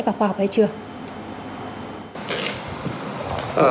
và khoa học ấy chưa